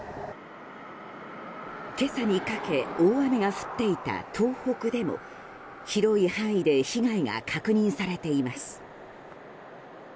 今朝にかけ、大雨が降っていた東北でも広い範囲で被害が確認されています。